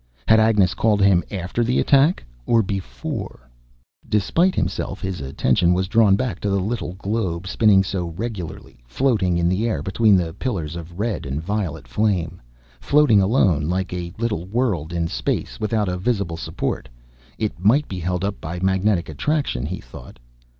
Had Agnes called him after the attack, or before? Despite himself, his attention was drawn back to the little globe spinning so regularly, floating in the air between the pillars of red and violet flame. Floating alone, like a little world in space, without a visible support, it might be held up by magnetic attraction, he thought.